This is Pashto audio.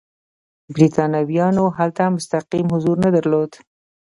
برېټانویانو هلته مستقیم حضور نه درلود.